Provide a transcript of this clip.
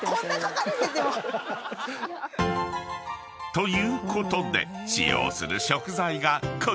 ［ということで使用する食材がこちら］